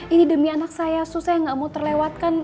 ini demi anak saya susah yang gak mau terlewatkan